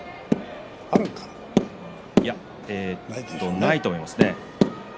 ないと思いますね。